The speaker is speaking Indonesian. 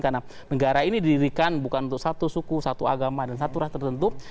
karena negara ini didirikan bukan untuk satu suku satu agama dan satu ras tertentu